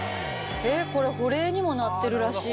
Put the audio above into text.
これ保冷にもなってるらしい。